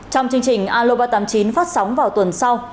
trong chương trình aloba tám mươi chín phát sóng vào tuần sau